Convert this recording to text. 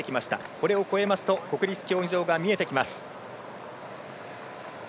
これを越えますと国立競技場を見えてきます。